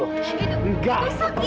iduh gue sakit